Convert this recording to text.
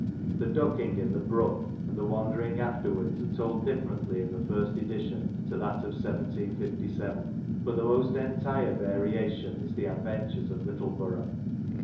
The ducking in the brook and the wandering afterwards are told differently in the first edition to that of 1 757. But the most entire variation is in the adventures at Littleborough.